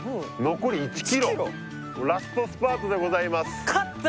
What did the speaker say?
残り１ｋｍラストスパートでございます勝った！